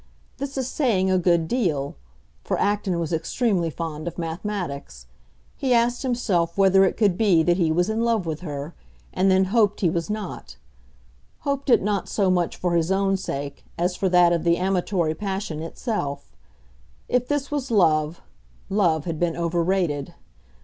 This is saying a good deal; for Acton was extremely fond of mathematics. He asked himself whether it could be that he was in love with her, and then hoped he was not; hoped it not so much for his own sake as for that of the amatory passion itself. If this was love, love had been overrated.